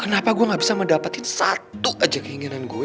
kenapa gue gak bisa mendapatkan satu aja keinginan gue